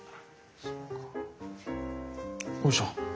よいしょ。